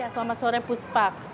selamat sore puspak